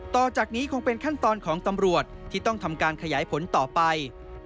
ต่อจากนี้คงเป็นขั้นตอนของตำรวจที่ต้องทำการขยายผลต่อไป